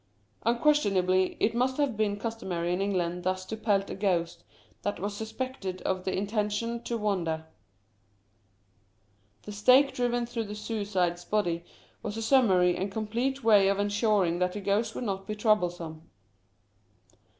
Unquestionably it must have been customary in England thus to pelt a ghost that was suspected of the intention to wander. The stake driven through the suicide's body was a summary and complete way of ensuring that the ghost would not be trouble some.